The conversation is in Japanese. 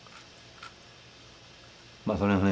まあそれはね